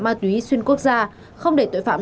ma túy xuyên quốc gia không để tội phạm